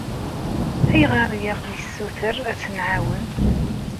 Ayɣer ay aɣ-d-tessuter ad tt-nɛawen?